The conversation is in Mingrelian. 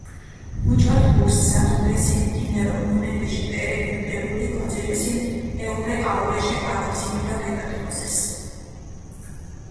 მუჭოთ გურს ზადუნდესინ თინერო მუნეფიშ ნტერეფი ნტებული ქოძირესინ, ეჸურე-აჸურეშე, აკოციმილო ქეკათხოზეს.